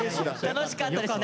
楽しかったです。